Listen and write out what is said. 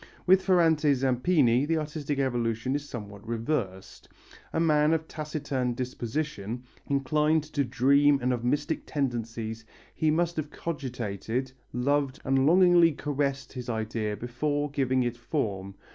With Ferrante Zampini the artistic evolution is somewhat reversed. A man of taciturn disposition, inclined to dream and of mystic tendencies, he must have cogitated, loved and longingly caressed his idea before giving it form.